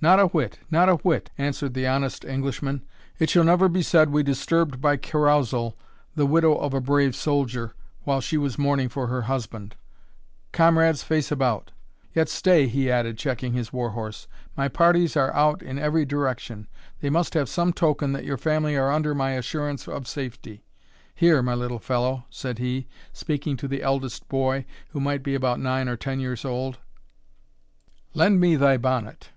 "Not a whit not a whit," answered the honest Englishman; "it shall never be said we disturbed by carousal the widow of a brave soldier, while she was mourning for her husband. Comrades, face about. Yet stay," he added, checking his war horse, "my parties are out in every direction; they must have some token that your family are under my assurance of safety. Here, my little fellow," said he, speaking to the eldest boy, who might be about nine or ten years old, "lend me thy bonnet."